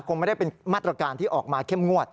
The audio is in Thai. คงไม่ได้เป็นมาตรการที่ออกมาเข้มงวด